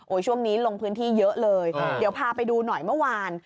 ช่วงนี้ลงพื้นที่เยอะเลยเดี๋ยวพาไปดูหน่อยเมื่อวาน